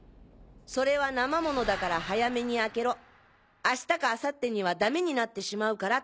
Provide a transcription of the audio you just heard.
「それは生モノだから早めに開けろ明日か明後日にはダメになってしまうから」